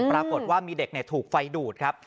ปรากฏว่ามีเด็กถูกไฟดูดครับ